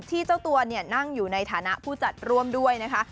เจ้าตัวนั่งอยู่ในฐานะผู้จัดร่วมด้วยนะคะ